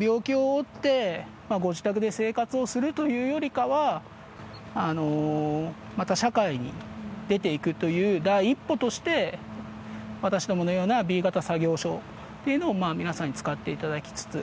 病気をおってご自宅で生活をするというよりかはまた社会に出て行くという第一歩として私どものようなＢ型作業所っていうのを皆さんに使っていただきつつ。